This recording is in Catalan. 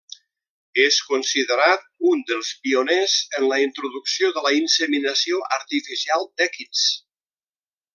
És considerat un dels pioners en la introducció de la inseminació artificial d'èquids.